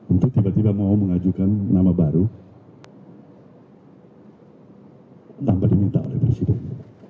untuk tiba tiba mau mengajukan nama baru tanpa diminta oleh presiden